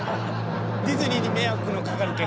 ディズニーに迷惑のかかる結果。